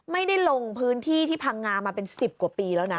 ไม่ได้ลงพื้นที่ที่พังงามาเป็น๑๐กว่าปีแล้วนะ